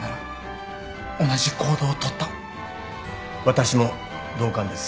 私も同感です。